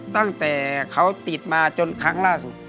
ตั้งแต่เขาติดมาจนครั้งล่าสุด